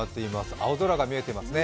青空が見えていますね。